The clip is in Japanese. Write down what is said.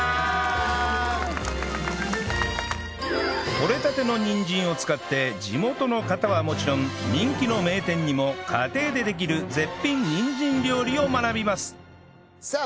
とれたてのにんじんを使って地元の方はもちろん人気の名店にも家庭でできる絶品にんじん料理を学びますさあ